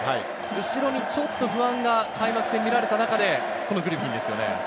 後ろにちょっと不安が開幕戦で見られた中で、グリフィンですよね。